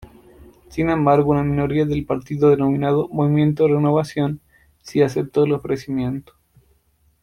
Sin embargo, una minoría del partido denominada Movimiento Renovación sí aceptó el ofrecimiento.